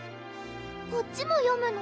こっちも読むの？